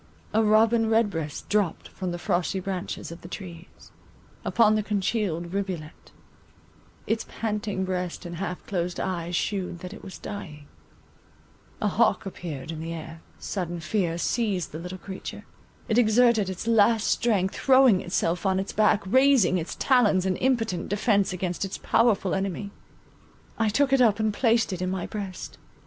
A robin red breast dropt from the frosty branches of the trees, upon the congealed rivulet; its panting breast and half closed eyes shewed that it was dying: a hawk appeared in the air; sudden fear seized the little creature; it exerted its last strength, throwing itself on its back, raising its talons in impotent defence against its powerful enemy. I took it up and placed it in my breast.